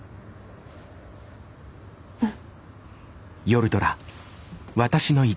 うん。